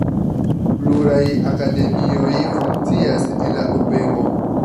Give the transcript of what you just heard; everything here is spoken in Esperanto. Pluraj akademioj funkcias en la urbego.